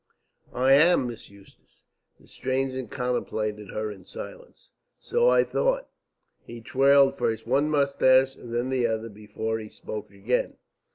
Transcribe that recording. "I am Miss Eustace." The stranger contemplated her in silence. "So I thought." He twirled first one moustache and then the other before he spoke again.